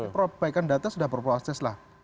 perbaikan data sudah berproses lah